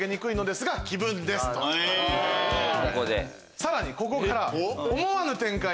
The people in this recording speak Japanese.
さらにここから。